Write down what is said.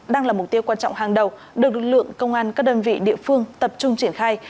đang là mục tiêu quan trọng hàng đầu được lực lượng công an các đơn vị địa phương tập trung triển khai